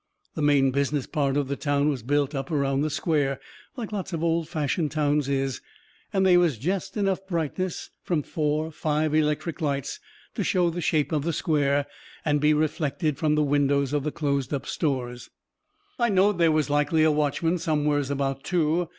The main business part of the town was built up around the square, like lots of old fashioned towns is, and they was jest enough brightness from four, five electric lights to show the shape of the square and be reflected from the windows of the closed up stores. I knowed they was likely a watchman somewheres about, too.